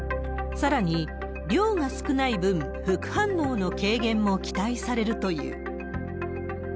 さらに量が少ない分、副反応の軽減も期待されるという。